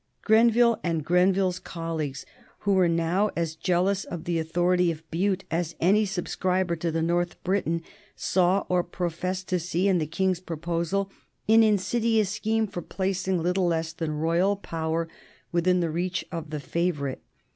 Grenville and Grenville's colleagues, who were now as jealous of the authority of Bute as any subscriber to the North Briton, saw or professed to see in the King's proposal an insidious scheme for placing little less than royal power within the reach of the favorite.